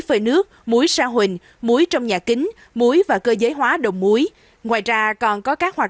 phơi nước muối sa huỳnh muối trong nhà kính muối và cơ giới hóa đồng muối ngoài ra còn có các hoạt